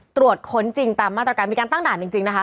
ตรวจค้นจริงตามมาตรการมีการตั้งด่านจริงนะคะ